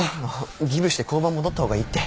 ギブして交番戻った方がいいって。